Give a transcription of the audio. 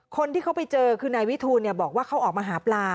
คนที่เขาไปเจอคือนายวิทูลบอกว่าเขาออกมาหาปลา